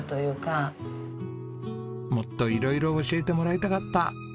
もっと色々教えてもらいたかった。